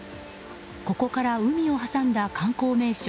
ここから海を挟んだ観光名所